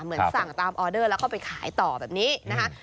เหมือนสั่งตามออเดอร์แล้วก็ไปขายต่อแบบนี้นะคะ